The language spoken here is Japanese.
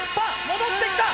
戻ってきた！